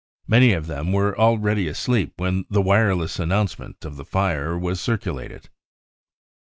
Many of them, were already asleep when the wireless announcement of the fire was circulated.